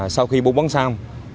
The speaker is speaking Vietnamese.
sau khi buôn bắn xong